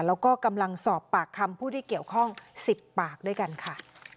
แล้วก็กำลังสอบปากคำผู้ที่เกี่ยวข้อง๑๐ปากด้วยกันค่ะ